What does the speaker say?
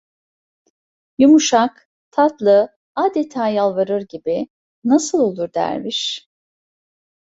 Yumuşak, tatlı, adeta yalvarır gibi: "Nasıl olur derviş?"